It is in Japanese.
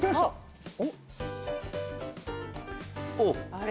あれ？